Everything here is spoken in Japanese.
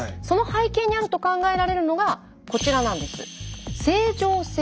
その背景にあると考えられるのがこちらなんです。